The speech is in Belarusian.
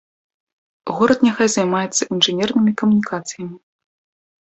Горад няхай займаецца інжынернымі камунікацыямі.